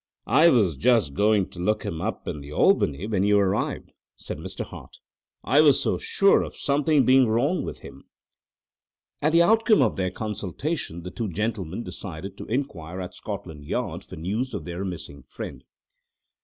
"I was just going to look him up in the Albany when you arrived," said Mr. Hart. "I was so sure of something being wrong with him." As the outcome of their consultation the two gentlemen decided to inquire at Scotland Yard for news of their missing friend.